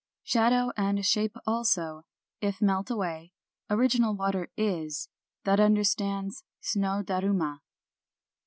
Shadow and shape also, if melt away, original water is, — that understands Snow Daruma."